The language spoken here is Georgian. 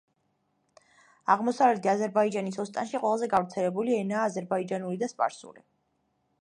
აღმოსავლეთი აზერბაიჯანის ოსტანში ყველაზე გავრცელებული ენაა აზერბაიჯანული და სპარსული.